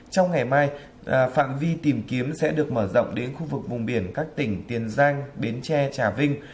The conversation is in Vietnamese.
trong ngày mai phạm vi tìm kiếm sẽ được mở rộng đến khu vực vùng biển các tỉnh tiền giang bến tre trà vinh